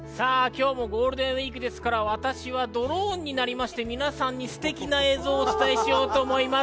今日もゴールデンウイークですから、私はドローンになりまして、皆さんにステキな映像をお伝えします。